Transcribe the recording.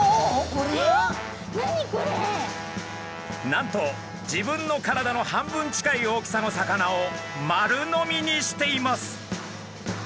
なんと自分の体の半分近い大きさの魚を丸飲みにしています。